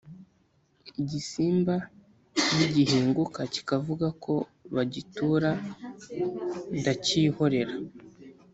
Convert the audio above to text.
"igisimba nigihinguka kikavuga ko bagitura ndakihorera